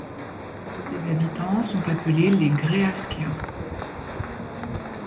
Ses habitants sont appelés les Gréasquéens.